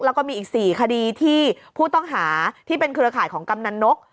แล้วก็มีอีก๔คดีที่ผู้ต้องหาที่เป็นเครือข่ายของกำนันนก